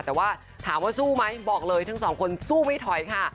แต่ว่าถามว่าสู้ไหมบอกเลยทั้งสองคนสู้ไม่ถอยค่ะ